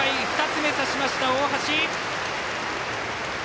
２つ目刺しました、大橋！